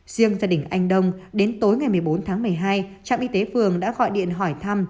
riêng gia đình anh đông đến tối ngày một mươi bốn tháng một mươi hai trạm y tế phường đã gọi điện hỏi thăm